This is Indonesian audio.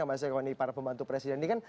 mas eko ini para pembantu presiden ini kan